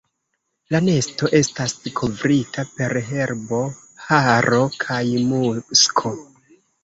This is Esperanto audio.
La nesto estas kovrita per herbo, haro kaj musko.